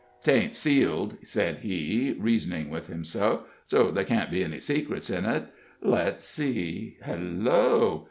"'Tain't sealed," said he, reasoning with himself, "so there can't be any secrets in it. Let's see hello!